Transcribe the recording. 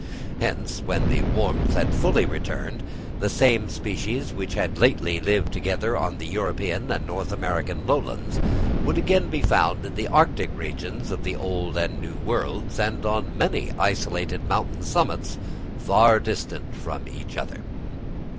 Hence, when the warmth had fully returned, the same species, which had lately lived together on the European and North American lowlands, would again be found in the arctic regions of the Old and New Worlds, and on many isolated mountain summits far distant from each other.